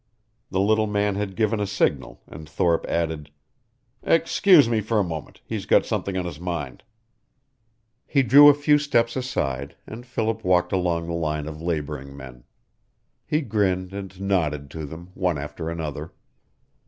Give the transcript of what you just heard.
The little man had given a signal, and Thorpe added, "Excuse me for a moment. He's got something on his mind." He drew a few steps aside, and Philip walked along the line of laboring men. He grinned and nodded to them, one after another.